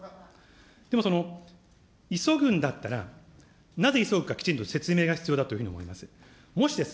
でもその急ぐんだったら、なぜ急ぐかきちんと説明が必要だというふうに思います。